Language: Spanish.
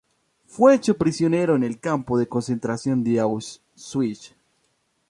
Fue hecho prisionero en el campo de concentración de Auschwitz.